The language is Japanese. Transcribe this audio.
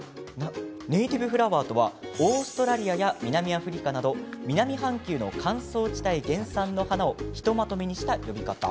ネイティブフラワーとはオーストラリアや南アフリカなど南半球の乾燥地帯原産の花をひとまとめにした呼び方。